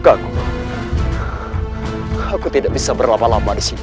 aku tidak bisa berlama lama di sini